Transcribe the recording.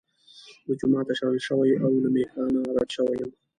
له جوماته شړل شوی او له میخا نه رد شوی یم.